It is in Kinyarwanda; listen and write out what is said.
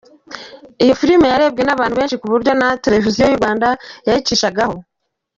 Iyo film yarebwe nabantu benshi ku buryo na televiziyo yu Rwanda yayicishagaho.